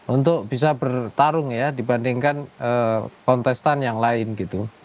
untuk bisa bertarung ya dibandingkan kontestan yang lain gitu